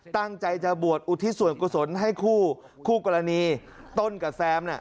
ตั้งใจจะบวชอุทธิส่วนกษลให้คู่กรณีต้นกับแซม